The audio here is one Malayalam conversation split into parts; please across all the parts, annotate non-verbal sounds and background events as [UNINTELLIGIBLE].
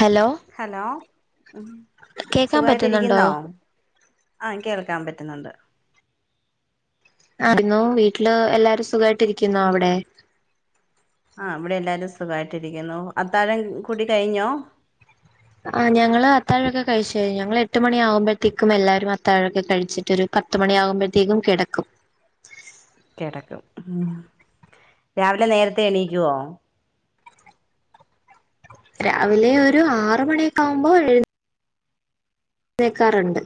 ഹലോ ഹലോ കേക്കാൻ പറ്റുന്നുണ്ടോ സുഖവായിട്ടിരിക്കുന്നോ? ആഹ് കേൾക്കാം പറ്റ്ന്നുണ്ട് ആയിര്ന്നോ? വീട്ടില് എല്ലാരും സുഖായിട്ടിരിക്ക്ന്നോ അവിടെ? ആ ഇവടെയെല്ലാരും സുഖായിട്ടിരിക്കുന്നു അത്താഴം കുടി കഴിഞ്ഞോ? ആ ഞങ്ങള് അത്താഴൊക്കെ കഴിച്ച് കഴിഞ്ഞു ഞങ്ങളെട്ട് മണി ആകുമ്പഴത്തേക്കും എല്ലാരും അത്താഴൊക്കെ കഴിച്ചിട്ടൊരു പത്ത് മണിയാവുമ്പത്തേക്കും കെടക്കും കെടക്കും മ് രാവിലെ നേരത്തെ എണീക്കുവോ? രാവിലെയൊരു ആറ് മണിയൊക്കെ ആവുമ്പോ എഴ്ന്നേ ക്കാറ്ണ്ട്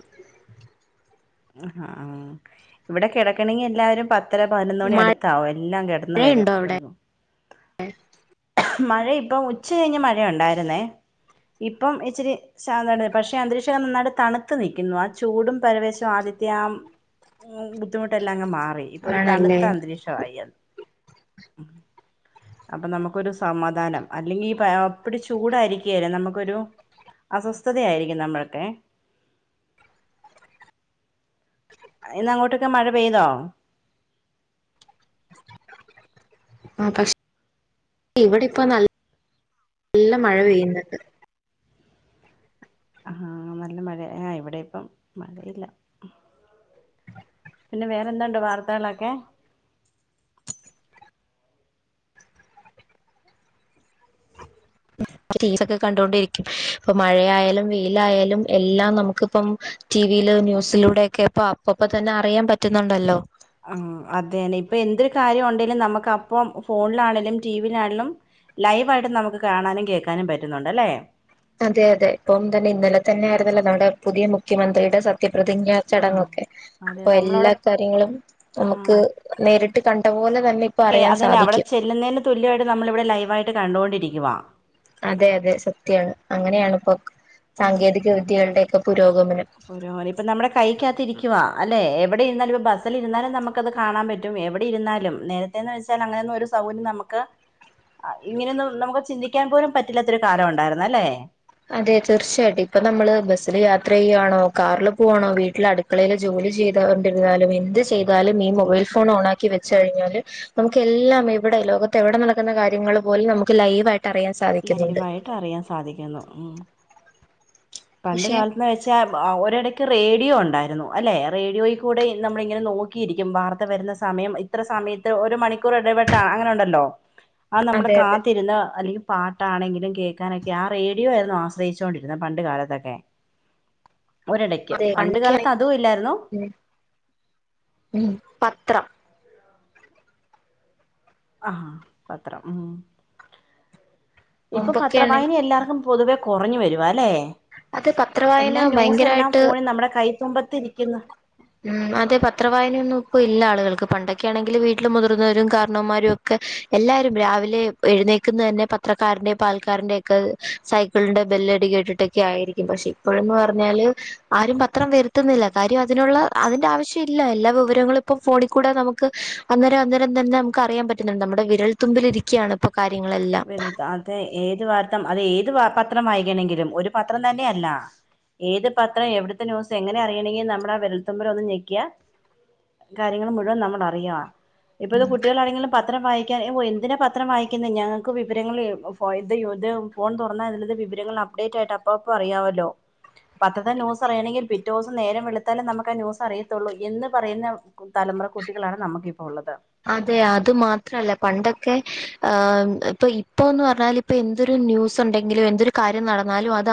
ആ ഹാ ഇവടെ കെടക്കണങ്കിയെല്ലാരും പ ത്തര പതിനൊന്ന് മണിയടുത്താവും എല്ലാം കെടന്ന് വെരും മഴയുണ്ടോ അവിടെ കെടക്കു മഴയിപ്പം ഉച്ച കഴിഞ്ഞ് മഴയൊണ്ടായിര്ന്നേ ഇപ്പം ഇച്ചിരി ഷാന്തായിട്ട് പക്ഷെ അന്തരീക്ഷം നന്നായിട്ട് തണുത്ത് നിക്കുന്നു ആ ചൂടും പരവേശം ല്ലാം ആദ്യത്തിയാം ബുദ്ധിമുട്ടെല്ലാം അങ്ങ് മാറി ഇപ്പൊരു തണുത്ത ആണല്ലേ അന്തരീക്ഷവായി അത് അപ്പൊ നമുക്കൊരു സമാധാനം അല്ലെങ്കി ഈ പായപ്പടി ചൂടായിരിക്കൃലേ നമുക്കൊരു അസ്വസ്ഥതയായിരിക്കും നമ്മള്ട്ടെ ഇന്ന് അങ്ങോട്ടൊക്കെ മഴ പെയ്തോ ആഹ് പക്ഷെ ഇവിടെപ്പോ നല്ല നല്ല മഴ പെയ്യുന്നുണ്ട് ആഹ് നല്ല മഴെ ആഹ് ഇവിടെപ്പം മഴയില്ല പിന്നെ വേറെന്തുണ്ട് വാർത്തകളൊക്കെ രീൽകൊ കണ്ടൊണ്ടിരിക്കും ഇപ്പൊ മഴയാലും വെയിലായാലും എല്ലാം നമുക്പ്പം. ടിവിയില് ന്യൂസിലൂടെയൊക്കെ ഇപ്പോ അപ്പപ്പോ തന്നെ അറിയാൻ പറ്റുന്നുണ്ടല്ലോ ആഹ് അതെന്നെ ഇപ്പൊ എന്തൊരു കാര്യം ഉണ്ടെലും നമക്ക് അപ്പം ഫോണിലാണെലും ടി വിയിലാണെലും ലൈവായിട്ട് നമുക്ക് കാണാനും കേക്കാനും പറ്റുന്നുണ്ട്ലേ അതെ അതെ ഇപ്പോ തന്നെ ഇന്നലെ തന്നെ ആരുന്നല്ലോ നമ്മുടെ പുതിയ മുഖ്യമന്ത്രിയുടെ സത്യപ്രതിജ്ഞ ആ ചടങ്ങൊക്കെ അതെ അപ്പൊ എല്ല നമ്മളവിടെ കാര്യങ്ങളും ആ നമുക്ക് നേരിട്ട് കണ്ട പോലെ തന്നെ ഇപ്പ അറിയാൻ സാധിക്കും [UNINTELLIGIBLE] തുല്യായിട്ട് നമ്മള് ഇവിടെ ലൈവായിട്ട് കണ്ടുകൊണ്ടിരിക്കുവ അതെ അതെ സത്യാണ് അങ്ങനെയാണ് ഇപ്പോ സാങ്കേതിക വിദ്യകളുടെയൊക്കെ പുരോഗമനം ഓരൊവ. ഇപ്പ നമ്മുടെ കൈക്കകത്തിരിക്കുവ അല്ലെ എവിടെ ഇരുന്നാലും ഇപ്പോ ബസൽരുന്നാലും നമുക്ക അത് കാണാൻ പറ്റും പറ്റും എവിടെ ഇരുന്നാലും നേരത്തെന്ന് വെച്ചാൽ അങ്ങനെന്നു ഒരു സൗകര്യം നമക്ക് ഇങ്ങനെയൊന്നും നമക്ക് ചിന്തിക്കാൻ പോലും പറ്റില്ലാത്തൊരു കാലം ഉണ്ടായിരുന്നല്ലെ അതെ തീർച്ചയായിട്ടും ഇപ്പൊ നമ്മള് ബസ്സില് യാത്ര ചെയ്യുവാണോ കാറില് പോവാണോ വീട്ടിൽ അട് ക്കളയിൽ ജോലി ചെയ്തൊണ്ട് ര്ന്നാലും എന്ത് ചെയ്താലും ഈ മൊബൈൽ ഫോൺ ഓൺക്കി വെ ചെഴിഞ്ഞാല് നമുക്ക് എല്ലാം എവടെ ലോകത്ത് എവിടെ നടക്കുന്ന കാര്യങ്ങള് പോലും നമുക്ക് ലൈവയിട്ട് ട്ടെറിയാൻ സാ ലൈവായിട്ട് അറിയാൻ സാധിക്കുന്നു ഉം പണ്ട് പക്ഷെ കാലത്ത്ന്ന് വെച്ച [UNINTELLIGIBLE] ആഹ് ഒരിടക്ക് റേഡിയോ ഉണ്ടായിരുന്നു അല്ലേ റേഡിയോയിൽ കൂടെ നമ്മള ഇങ്ങനെ നോക്കി കിരിക്കും വാർത്ത വരുന്ന സമയം ഇത്ര സമയത്ത് ഒരു മണിക്കൂർ ഇടവെട്ടാ അങ്ങനെ ഉണ്ടല്ലോ ആഹ് നമ്മളെ അതെ അതെ കാത്തിരുന്ന അല്ലെങ്കി പാട്ടാണെങ്കിലും കേക്കാനൊക്കെ ആഹ് റേഡിയോ ആയിരുന്നു ആശ്രയിച്ചോണ്ടിരുന്നത് പണ്ട് കാലത്തൊക്കെ ഒരെടയ്ക്ക് അതെ പണ്ട് പണ്ടൊക്കെയ കാലത്ത് അതു ഇല്ലായിരുന്നു ഉം പത്രം ആഹ് പത്രം ഉം ഇപ്പൊ പത്ര മുമ്പൊക്കെയാണ് വായന എല്ലാർക്കും പൊതുവേ കൊറഞ്ഞു വരുവാലേ അത് പത്രവായന എല്ലാ ന്യൂസ എല്ലാം ഭയങ്കരായിട്ട് ഫോണിൽ നമ്മടെ കൈത്തുമ്പത്തിരിക്കുന്നു ഉം അതെ പത്ര വായനൊന്നും ഇപ്പൊ ഇല്ല ആളുകൾക്ക് പണ്ടൊക്കൊണെങ്കിൽ വീട്ടിൽ മുതിർന്നവരും കാരണവമാരും. [UNINTELLIGIBLE] എല്ലാരും രാവിലെ എഴുന്നേക്കുന്നന്നെ പത്രക്കാരന്റെ പാൽക്കാരന്റെക്കെ സൈക്കിളിന്റെ ബെല്ലടി കേട്ടിട്ടൊക്കെ ആയിരിക്കും പക്ഷെ ഇപ്പോഴന്ന് പറഞ്ഞാല് ആരും പത്രം വരുത്തുന്നില്ല കാര്യം അതിനുള്ള അതിന്റെ ആവശ്യം ഇല്ല എല്ലാ വിവരങ്ങളും ഇപ്പം ഫോണിക്കൂടെ നമുക്ക് അന്നേരം അന്നേരം തന്നെ നമുക്ക് അറിയാൻ പറ്റുന്നുണ്ട് നമ്മുടെ വിരൽ ത്തുമ്പിലിരിക്യാണ് ഇപ്പോ കാര്യങ്ങളെല്ലാം. വെല്ത് അതെ ഏത് വാർത്തം അത് ഏത് പത്രം വായിക്കണെങ്കിലും ഒരു പത്രം തന്നെയ അല്ല. ഏത് പത്രം എവിടുത്തെ ന്യുസ് എങ്ങന അറിയണെങ്കി നമ്മടെ ആഹ് വെരൽത്തുമ്പിലൊന്ന് ഞെക്യ. കാര്യങ്ങൾ മുഴുവൻ നമ്മൾ അറിയാ. ഇപ്പത്തെ കുട്ടിളാണെങ്കിലും പത്രം വായിക്കാൻ എഹ് ഓ എന്തിനാ പത്രം വായിക്കുന്നേ ഞാൻ [UNINTELLIGIBLE] വിവരങ്ങൾ ഫോ ഇത് ഇത് ഫോൺതൊറന്നാ അതിലുള്ള വിവരങ്ങൾ അപ്ഡേറ്റ് ആയിട്ട് അപ്പപ്പ അറിയാവല്ലോ. പത്തത്തെ ന്യസ് അറിയണെങ്കിൽ പിറ്റേസം നേരംവെളുത്തലെ നമക്ക് ന്യുസ് അറിയത്തുള്ളൂ എന്ന് പറയുന്ന. തലമുറ കുട്ടികളാണ് നമക്കിപ്പ ഉള്ളത്. അതെ അത് മാത്രല്ല പണ്ടൊക്കെ ഹ് ഇപ്പൊ ഇപ്പൊന്ന് പറഞ്ഞാല്. ഇപ്പ എന്തൊരു ന്യൂസ് ഉണ്ടെങ്കിലും എന്തൊരു കാര്യം നടന്നാലും ആഹ് അത്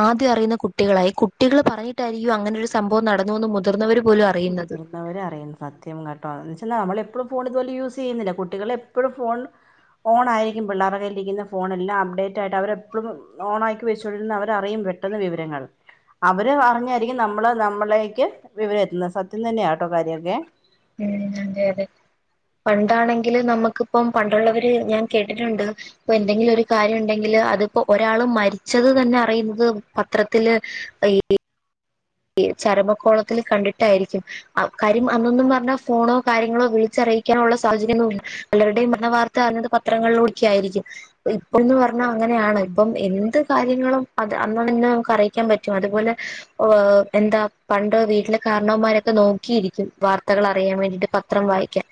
ആദ്യം അറിയുന്ന കുട്ടികളാ ഈ കുട്ടികൾ പറഞ്ഞിട്ടായിരിക്കും അങ്ങനെരു സംഭവം നടന്നുന്ന് മുതിർന്നവർ പോലും അറിയുന്നത്. അവര അറിയും സത്യം കേട്ടോ എന്ന് വെച്ചാൽ നമ്മളെപ്പോഴു ഫോൺ ഇതുപോലേ യൂസ് ചെയ്യുന്നില്ല കുട്ടികളെ എപ്പോഴും ഫോൺ. ഫോണയിരിക്കും പിള്ളേ കയിലിരിക്കുന്ന ഫോണല്ലാം അപ്ഡേറ്റ് ആയിട്ട് അവരെപ്പോളും. ഓണാക്കി വെച്ചോണ്ടിരിന്ന അവര് അറിയും പെട്ടെന്ന് വിവരങ്ങൾ അവര് അറിഞ്ഞായിരിക്കും നമ്മള് നമ്മളേക്ക് വിവരം എത്തുന്നത് സത്യം തന്നെയാട്ടോ കാര്യൊക്കെ ഉം അതെ അതെ പണ്ടാണെങ്കില് നമുക്കിപ്പം പണ്ടുള്ളവര് ഞാൻ കേട്ടിട്ടുണ്ട് ഇപ്പന്തെങ്കിലും ഒരു കാര്യം ഉണ്ടെങ്കില് അതിപ്പോ ഒരാള് മരിച്ചത് തന്നെ അറിയുന്നത് പത്രത്തില് ഈ ചരമക്കോളത്തിൽ കണ്ടിട്ടായിരിക്കും കാര്യം അന്നൊന്നും പറഞ്ഞാൽ ഫോണോ കാര്യങ്ങളോ വിളിച്ചറിയിക്കാനുള്ള സാഹചര്യം ഒന്നും പലരുടെയും മരണ വാർത്ത അറിഞ്ഞത് പത്രങ്ങളിലൂടെക്കെ ആയിരിക്കും ഇപ്പോഴന്ന് പറഞ്ഞാൽ അങ്ങനെയാണ് ഇപ്പം ന്ന് പറഞ്ഞ അങ്ങനെ ആണ് എന്ത് കാര്യങ്ങളും അത് അന്ന്തന്നെ നമുക്ക് അറിയിക്കാൻ പറ്റും അതുപോലെ ഓഹ്‌ എന്താ പണ്ടോ വീട്ടിലെ കാരണവമാരൊക്കെ നോക്കിയിരിക്കും വാർത്തകൾ അറിയാൻ വേണ്ടിയിട്ട് പത്രം വായിക്കാൻ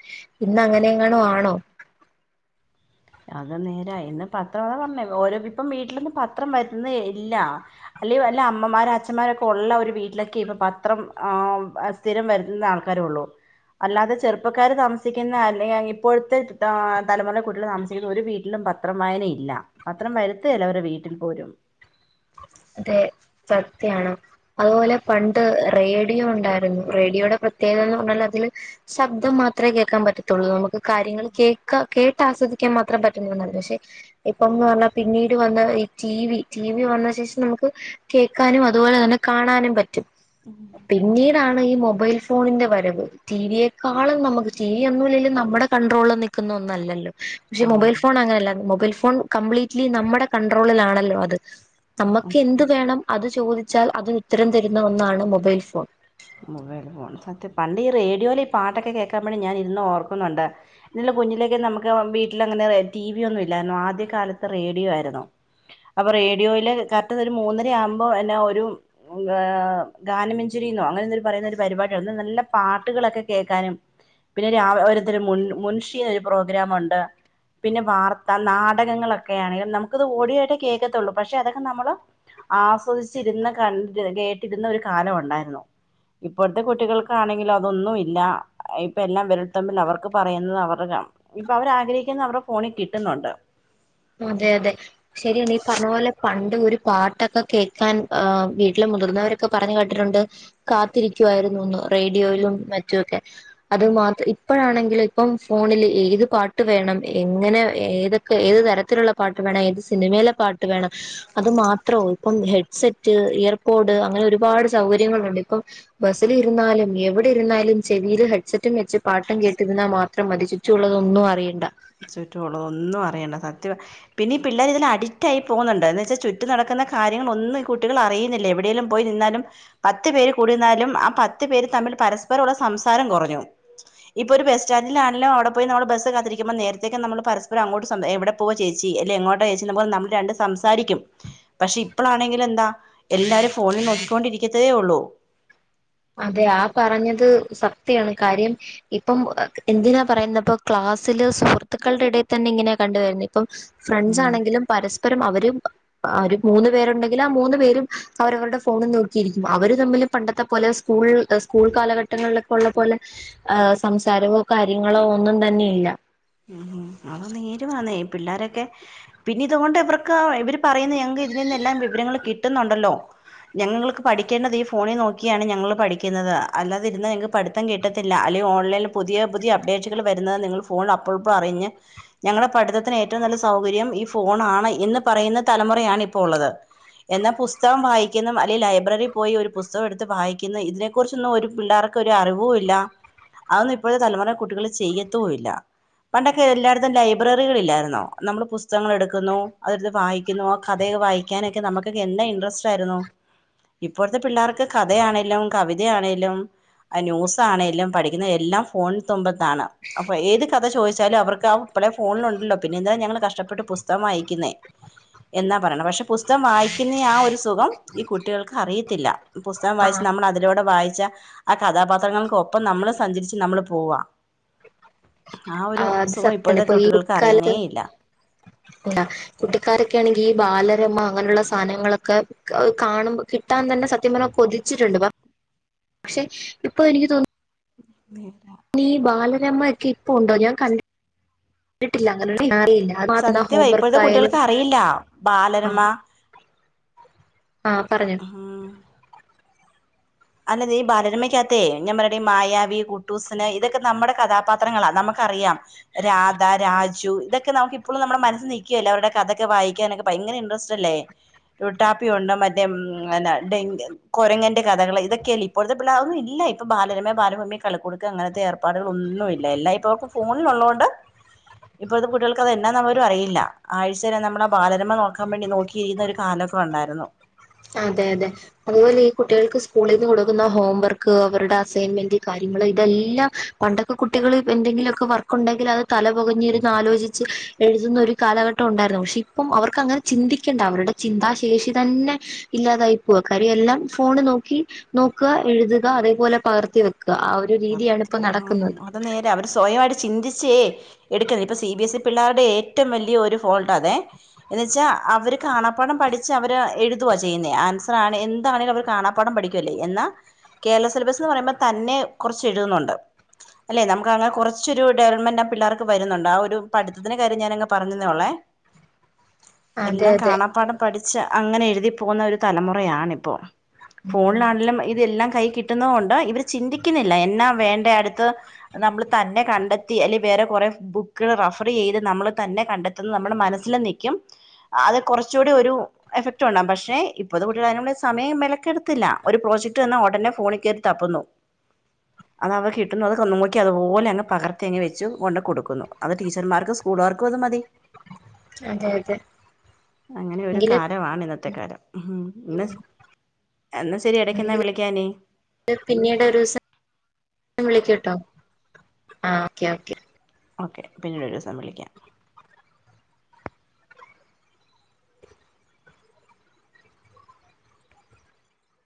ഇന്ന് അങ്ങനെ എങ്ങണോ ആണോ അത് നേര ഇന്ന് പത്രം അതാ പറഞ്ഞേ ഓരോ ഇപ്പം വീട്ടിലൊന്നും പത്രം വരുന്നെ ഇല്ല അല്ലെ വല്ല അമ്മമാരും അച്ഛന്മാരൊക്കെ ഉള്ള ഒരു വീട്ടിലൊക്കെ ഇപ്പൊ പത്രം ആ സ്ഥിരം വരുത്തുന്ന ആൾക്കാരോള്ളൂ അല്ലാതെ ചെറുപ്പക്കാര് താമസിക്കുന്ന അല്ല ഇപ്പോഴത്തെ തലമുറേലെ കുട്ടികൾ താമ ക്കുന്ന ഒരു വീട്ടിലും പത്രം വായന ഇല്ല പത്രം വര്ത്തെലാ അവരെ വീട്ടിൽ പോലും അതെ സത്യാണ് അതുപോലെ പണ്ട് റേഡിയോ ഉണ്ടായിരുന്നു റേഡിയോയുടെ പ്രത്യേകത എന്ന് പറഞ്ഞാൽ അതില് ശബ്ദം മാത്രമേ കേൾക്കാൻ പറ്റത്തുള്ളൂ നമുക്ക് കാര്യങ്ങൾ കേൾക്ക കേട്ട് ആസ്വദിക്കാൻ മാത്രം പറ്റുന്നു ഒള്ളു പക്ഷെ ഇപ്പംന്ന് പറഞ്ഞാ പിന്നീട് വന്ന ഈ ടി വി ടി വി വന്ന ശേഷം നമുക്ക് കേൾക്കാനും അതുപോലെ തന്നെ കാണാനും പറ്റും ഉം പിന്നീട് ആണ്ഈ ഫോണിന്റെ വരവ് ടിവിയെക്കാളും നമുക്ക് ടി വി ഒന്നുല്ലേലും നമ്മുടെ കൺട്രോളിൽ നി നിക്കുന്ന ഒന്നല്ലോ പക്ഷെ മൊബൈൽ ഫോൺ ആഹ് അങ്ങനെയല്ല മൊബൈൽ ഫോൺ കംപ്ലീറ്റ്ലി നമ്മുടെ കൺട്രോളിലാണല്ലോ അത് നമുക്ക് എന്ത് വേണം അത് ചോദിച്ചാൽ അതിന് ഉത്തരം തരുന്ന ഒന്നാണ് മൊബൈൽ ഫോൺ മൊബൈൽ ഫോൺ സത്യം പണ്ട് ഈ റേഡിയോയിൽ പാട്ടൊക്കെ കേൾക്കാൻ വേണ്ട ഞാൻ ഇന്ന് ഓർക്കുന്നുണ്ട് ഇന്നല്ല കുഞ്ഞിലേക്കെ നമുക്ക് വീട്ടില് അങ്ങനെ ടി വി ഒന്നും ഇല്ലായിരുന്നു ആദ്യ കാലത്ത് റേഡിയോ ആയിരുന്നു അപ്പൊ റേഡിയോയില് കറക്റ്റ് ഒരു മൂന്നര ആവുമ്പോ എന്ന ഒരു ഗാ ഗാനമെഞ്ചരി ന്നൊ അങ്ങനെ പറയുന്ന ഒരു പരിപാടി അന്ന് നല്ല പാട്ടുകളൊക്കെ കേൾക്കാനും പിന്നെ രാ ഓരോത്തൊര് മുൻഷീ ഒരു പ്രോഗ്രാമൊണ്ട് പിന്നെ വാർത്ത നാടകങ്ങളൊക്കെ ആണെങ്കിലും നമുക്കത് ഓഡിയോ ആയിട്ടേ കേൾക്കത്തൊള്ളൂ പക്ഷെ അതൊക്കെ നമ്മള് ആസ്വദിച്ചിരുന്ന് കണ്ട്ര് കേട്ടിരുന്ന ഒരു കാലം ഉണ്ടായിരുന്നു ഇപ്പോഴത്തെ കുട്ടികൾക്കാണെങ്കിലും അതൊന്നും ഇല്ല ഇപ്പ എല്ലാം വിരൽ തുമ്പിൽ അവർക്ക് പറയുന്നത് അവർ കാ ഇപ്പൊ അവർ ആഗ്രഹിക്കുന്ന അവര്ടെ ഫോണിൽ കിട്ടുന്നുണ്ട് അതെ അതെ ശരിയാണ് ഈ പറഞ്ഞപോലെ പണ്ട് ഒരു പാട്ടൊക്കെ കേൾക്കാൻവീട്ടിലെ മുതിർന്നവരൊക്കെ പറഞ്ഞു കേട്ടിട്ടുണ്ട് കാത്തിരിക്കുവായിരുന്നുന്ന് റേഡിയോയിലും മറ്റും ഒക്കെ അത് മാത്രം ഇപ്പോഴാണെങ്കിലോ ഇപ്പം ഫോണില് ഏത് പാട്ട് വേണം എങ്ങനെ ഏത് ഏത് തരത്തിലുള്ള പാട്ട് വേണം ഏത് സിനിമയിലെ പാട്ട് വേണം അത് മാത്രോ ഇപ്പം ഹെഡ്സെറ്റ് ഇയർപോഡ് അങ്ങനെ ഒരുപാട് സൗകര്യങ്ങളുണ്ട് ഇപ്പം ബസ്സില് ഇരുന്നാലും എവിടെ ഇരുന്നാലും ചെവില് ഹെഡ്സെറ്റും വെച്ച് പാട്ടും കേട്ട് ഇരുന്ന മാത്രം മതി ചുറ്റും ഉള്ളത് ഒന്നും അറിയണ്ട ചുറ്റും ഉള്ളതൊന്നും അറിയണ്ട സത്യ പിന്നെ ഈ പിള്ളേർ ഇതിൽ അഡിക്റ്റായി പോകുന്നുണ്ട് എന്ന് വെച്ചാൽ ചുറ്റും നടക്കുന്ന കാര്യങ്ങളൊന്നും ഈ കുട്ടികൾ അറിയുന്നില്ല എവിടെേലും പോയി നിന്നാലും പത്ത് പേര് കൂടി നിന്നാലും ആ പത്ത് പേര് തമ്മിൽ പരസ്പരമുള്ള സംസാരം കുറഞ്ഞു ഇപ്പൊ ഒരു ബസ് സ്റ്റൻഡില് ആണെലും അവിടെപോയി നമ്മള് ബസ് കാത്തിരിക്കു നേരത്തൊക്കെ നമ്മൾ പരസ്പരം അങ്ങോട്ടു എവടെ പോവാ ചേച്ചി അല്ലെ എങ്ങോട്ടാ ചേച്ചി നമ്മള് രണ്ട് സംസാരിക്കും പക്ഷെ ഇപ്പളാണെങ്കിലെന്താ എല്ലാരും ഫോണിൽ നോക്കിക്കൊണ്ടിരിക്കത്തതേ ഒള്ളൂ. അതെ ആഹ് പറഞ്ഞത് സത്യയാണ് കാര്യം. ഇപ്പം എന്തിനാ പറയുന്ന പ്പ ക്ലാസ്സില് സുഹൃത്തുക്കളുടെ ഇടയിൽ തന്നെ ഇങ്ങനെയ കണ്ടുവരുന്ന് ഇപ്പം. ഫ്രണ്ട്സ് ഉം ആണെങ്കിലും പരസ്പരം അവര്. ബ ഒരു മൂന്നു പേരുണ്ടെങ്കിലും ആഹ് മൂന്നു പേരും അവരവരുടെ ഫോണിൽ നോക്കിയിരിക്കും അവര് തമ്മിൽ പണ്ടത്തെ പോലെ സ് സ്കൂൾ ല് സ്കൂൾ കാലഘട്ടങ്ങളിലൊക്കെ ഉള്ള പോലെ. ആഹ് സംസാരമോ കാര്യങ്ങളോ ഒന്നും തന്നെയില്ല. ഉം അതൊ നേരുആന്നെ പിള്ളോരൊക്കെ. പിന്നെ ഇതുകൊണ്ട് ഇവർക്ക് ഇവര് പറയുന്ന ഞങ്ങക്ക് ഇതിൽ നിന്ന് എല്ലാം വിവരങ്ങളും കിട്ടുന്നുണ്ടല്ലോ. ഞങ്ങക്ക് പഠിക്കേണ്ടത് ഈ ഫോണിൽ നോക്കിയാണ് ഞങ്ങൾ പഠിക്കുന്നത് അല്ലാതെ ഇരുന്ന ഞങ്ങൾക്ക് പഠിത്തം കിട്ടത്തില്ല അല്ലെങ്കിൽ ഓൺലൈനിൽ പുതിയ പുതിയ അപ്ഡേഷുകൾവരുന്നത് നിങ്ങൾ ഫോണിൽ അപ്പോഴപ്പോയും അറിഞ്ഞ്. ഞങ്ങളുടെ പഠിതത്തിന് ഏറ്റവും നല്ല സൗകര്യം ഈ ഫോൺ ആണ് എന്ന് പറയുന്ന തലമുറയാണ് ഇപ്പോ ഉള്ളത്. എന്നാ പുസ്തകം വായിക്കുന്നെ അല്ലെങ്കിൽ ലൈബ്രറിൽ പോയി ഒരു പുസ്തകം എടുത്ത് വായിക്കുന്ന ഇതിന്. ഇതിനെ കുറിച്ചൊന്നും ഒരു പിള്ളേർക്ക് ഒരു അറിവും ഇല്ല അതൊന്നും ഇപ്പോഴത്തെ തലമുറ കുട്ടികൾ ചെയ്യത്തൂല്ല. പണ്ടൊക്കെ എല്ലായിടത്തും ലൈബ്രറികൾളില്ലായിരുന്നോ നമ്മള് പുസ്തകങ്ങൾ എടുക്കുന്നു അതെടുത്ത് വായികു വായികുന്നു കഥെയൊക്കെ വായിക്കാനൊക്കെ നമുക്ക് എന്തൊരു ഇൻട്രസ്റ്റ് ആയിരുന്നു. ഇപ്പോഴത്തെ പിള്ളേർക്ക് കഥയാണേലും കവിതയാണേലും. ന്യൂസ് ആണെലും പഠിക്കുന്ന എല്ലാം ഫോണി തുമ്പത്താണ് അപ്പൊ ഏത് കഥ ചോദിച്ചലും ചോദിച്ചാലും അവർക്ക് ആപ്പളെ ഫോണിലുണ്ടല്ലോ പിന്നെന്താ ഞങ്ങങ്ങള് കഷ്ടപ്പെട്ട് പുസ്തകം വായിക്കുന്നേ. എന്നാ പറയുണ് പക്ഷെ പുസ്തകം വായിക്കുന്ന ആ ഒരു സുഖം ഈ കുട്ടികൾക്ക് അറിയത്തില്ല. പുസ്തകം ആ വായിച്ച് നമ്മൾ അതിലൂടെ വായിച്ച് ആ കഥാപാത്രങ്ങൾക്കൊപ്പം നമ്മള് സഞ്ചരിച്ച് നമ്മള് പോവാ. ആഹ് ഒരു അത് സുഖം സത്യാണ് ഇപ്പോഴത്തെക്കെ ഇപ്പൊ ഈ കുട്ടികൾക്ക് അറിയണേ കുട്ടിക്കാലത്ത് ഇല്ല. കുട്ടിക്കാലൊക്കൊആണെങ്കിൽ ഈ ബാലരമ അങ്ങനെയുള്ള സാധനങ്ങളൊക്കെ അഹ് കാണുമ്പ കിട്ടാൻ തന്നെ സത്യം പറഞ്ഞ കൊതിച്ചിട്ടുണ്ട് പ പക്ഷെ ഇപ്പൊ എനിക്ക് തോന്നുന്നു. ഈ ബാലരമ്മ ഒക്കെ ഇപ്പ ഉണ്ടോ ഞാൻ കണ്ട് കണ്ടിട്ടില്ല അങ്ങനെരു കാര്യല്ല. സത്യവാ ഇപ്പോത്തെ കുട്ടികൾക്ക് അറിയില്ല ബാലരമ്മ. ആഹ് പറഞ്ഞോ. ഉം അല്ല ദേ ഈ ബാലരമയ്ക്കകത്തേ നമ്മുടെ ഈ മായവി കുട്ടൂസന് ഇതൊക്കെ നമ്മുടെ കഥാപാത്രം. പത്രങ്ങളാ നമുക്കറിയാം. രാധാ രാജു ഇതൊക്കെ നമുക്ക് ഇപ്പോഴും നമ്മുടെ മനസ്സിൽക്കുവല്ല അവരുടെ കഥൊക്കെ വായിക്കാനൊക്കെ ഭയങ്കര ഇൻട്രസ്റ്റ്. ദല്ലേ ല്ലുട്ടാപ്പി ഉണ്ട് മറ്റേ ഡിങ്ക കൊരങ്ങന്റെ കഥകൾ. ഇതൊക്കെയല്ലെ ഇപ്പോഴത്തെ പിള്ള ഒന്നുംല്ല ഇപ്പൾ ബാലരമയ ബാലഭൂമി കളിക്കൊടുക്കുക അങ്ങനത്തെ ഏർപ്പാടുകളൊന്നുമില്ല എല്ല ഇപ്പോ ഫോണിലുള്ളോണ്ട്. ഇപ്പോഴത്തെ കുട്ടികൾക്ക്ത് എന്നാന്ന് പോലും അറിയില്ല ആഴ്ചെല് നമ്മുടെ ബാലമ നോക്കാൻ വേണ്ടി നോക്കി കിഴിയുന്നൊരു കാലമൊക്കെ ഉണ്ടായിരുന്നു. അതെ അതെ. അതുപോലെ ഈ കുട്ടികൾക്ക് സ്കൂളിൽ നിന്ന് കൊടുക്കുന്ന ഹോംവർക്ക് അവരുടെ അസൈൻമെന്റ് കാര്യങ്ങൾ ഇതെല്ലാം. പണ്ടൊക്കെ കുട്ടികൾ എന്തെങ്കിലുമൊക്കെ വർക്ക് ഉണ്ടെങ്കിൽ അത് തലപകഞ്ഞിരുന്ന് ആലോചിച്ച് എഴുതുന്നൊരു. കാലഘട്ടം ഉണ്ടായിരുന്നു പക്ഷെ ഇപ്പം അവർക്ക് അങ്ങനെ ചിന്തിക്കേണ്ട അവരുടെ ചിന്താശേഷി തന്നെ. ഇല്ലാതായി പോവ കാര്യ എല്ലാം ഫോണ് നോക്കി നോക്കുക എഴുതുക അതേപോലെ പകർത്തി വെക്കുക. ആഹ് ഒരു ആ രീതിയാണ് ഇപ്പോ ആ നടക്കുന്നത്. അത് നേരെ അവർ സ്വയമായിട്ട് ചിന്തിച്ചേ. എടുക്കത് ഇപ്പൊ സി ബി എസ് ഇ പിള്ളേരുടെ ഏറ്റവും വലിയ ഒരു ഫോൾട്ട് അതെ. എന്ന വെച്ചാൽ അവര് കാണാടം പഠിച്ച് അവര് എഴുതുുകവാ ചെയ്യുന്നേ ആൻസർ ആണെ എന്താണെലും അവര് കാണാ പാഠം പഠിക്കുവല്ലേ എന്നാ കേരള സിലബസ്ന്ന് പറയുമ്പോ തന്നെ കുറച്ച് എഴുതുന്നുണ്ട്. അല്ലേ നമുക്കങ്ങനെ കുറച്ചൊരു ഡെവലപ്മെന്റ് ആഹ് പിള്ളേർക്ക് വരുന്നുണ്ട് ആഹ് ഒരു പഠത്തത്തിന് കാര്യം ഞാനങ്ങ് പറഞ്ഞതോള്ളേ. അതെ എല്ലാം അതെ കാണാപ്പാടം പഠിച്ച അങ്ങനെ എഴുതി പോകുന്ന ഒരു തലമുറയാണിപ്പോ. ഫോണിലാണെങ്കിലും ഇതെല്ലാം കൈ കിട്ടുന്ന കൊണ്ട് ഇവര് ചിന്തിക്കുന്നില്ല എന്നാ വേണ്ട അടുത്ത്. നമ്മൾ തന്നെ കണ്ടെത്തി അല്ലെങ്കിൽ വേറെ കുറെേ ബുക്കൾ റഫർ ചെയ്ത് നമ്മൾ തന്നെ കണ്ടെത്തി. ത്തുന്നത് നമ്മുടെ മനസ്സിലും നിക്കും അത് കുറച്ചുകൂടി ഒരു എഫക്റ്റ് ഉണ്ടാം പക്ഷെ ഇപ്പത്തെ കൂട്ടികളതിനുള്ള സമയം മിനക്കെടുത്തില്ല ഒരു പ്രോജക്ട് തന്ന് ഉടനെ ഫോണിൽ കയറി തപ്പുന്നു അത് അവ കിട്ടുന്നു അതൊക്കെ നോക്കി അതുപോലെ അങ് പകർത്തിയങ്ങ് വെച്ച് കൊണ്ട് കൊടുക്കുന്നു അത് ടീച്ചർമാർക്കും സ്കൂള്കാർക്കും അത് മതി അതെ അതെ അങ്ങനെ ഒരു എങ്കില് കാലമാണ് ഇന്നത്തെ കാലം ഉഹും എന്നാ എന്നാ ശരി ഇടയ്ക്ക് എന്നാ എങ്കില് വിളിക്കാനി പിന്നീട് ഒരു ദിവസം വിളിക്ക ട്ടോ ആഹ് ഓക്കെ ഓക്കെ ഓക്കെ പിന്നീട് ഒരു ദിവസം വിളിക്കാം